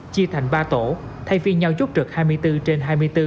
chia thành ba tổ thay phiên nhau chút trực hai mươi bốn trên hai mươi bốn